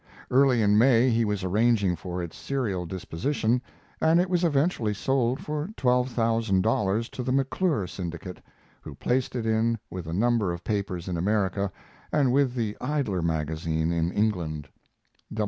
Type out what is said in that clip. Early in May he was arranging for its serial disposition, and it was eventually sold for twelve thousand dollars to the McClure Syndicate, who placed it with a number of papers in America and with the Idler Magazine in England.